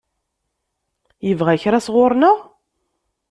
Yebɣa kra sɣur-neɣ?